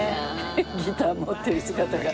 ギター持ってる姿が。